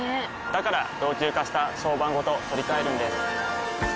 から老朽化した床版ごと取り替えるんです。